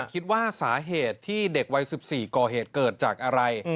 คิดว่าสาเหตุที่เด็กวัย๑๔ก่อเหตุเกิดจากอะไร